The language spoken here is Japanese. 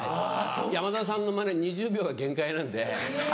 山田さんのマネは２０秒が限界なんで。